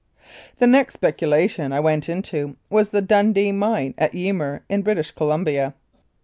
The next speculation I went into was the Dundee Mine at Ymir, in British Columbia.